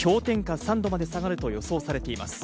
３度まで下がると予想されています。